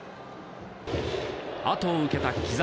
後を受けた木澤。